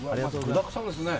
具だくさんですね